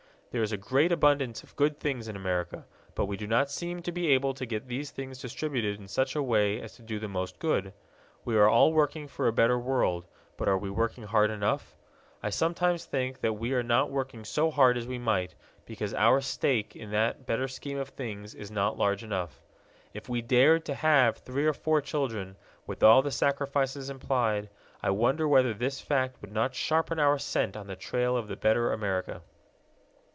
There is a great abundance of good things in America, but we do not seem to be able to get these things distributed in such a way as to do the most good. We are all working for a better world, but are we working hard enough? I sometimes think that we are not working so hard as we might, because our stake in that better scheme of things is not large enough. If we dared to have three or four children, with all the sacrifices implied, I wonder whether this fact would not sharpen our scent on the trail of the better America.